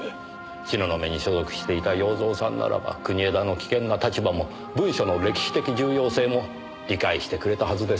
東雲に所属していた洋蔵さんならば国枝の危険な立場も文書の歴史的重要性も理解してくれたはずです。